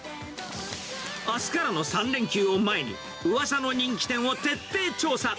あすからの３連休を前に、うわさの人気店を徹底調査。